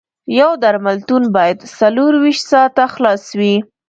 یو درملتون باید څلور ویشت ساعته خلاص وي